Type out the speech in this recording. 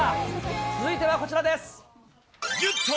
続いてはこちらです。